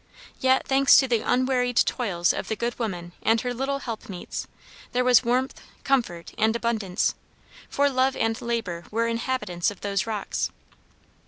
Yet, thanks to the unwearied toils of the good woman and her little help meets, there was warmth, comfort, and abundance, for love and labor were inhabitants of those rocks.